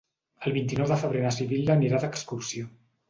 El vint-i-nou de febrer na Sibil·la anirà d'excursió.